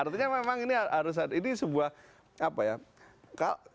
artinya memang ini sebuah apa ya